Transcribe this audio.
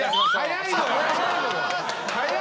早いのよ！